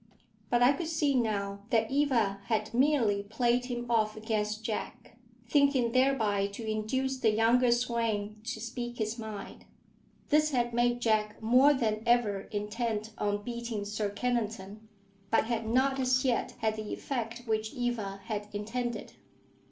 But I could see now that Eva had merely played him off against Jack, thinking thereby to induce the younger swain to speak his mind. This had made Jack more than ever intent on beating Sir Kennington, but had not as yet had the effect which Eva had intended.